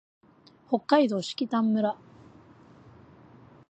北海道色丹村